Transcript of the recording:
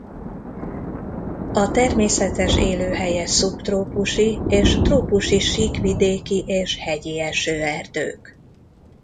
A természetes élőhelye szubtrópusi és trópusi síkvidéki- és hegyi esőerdők.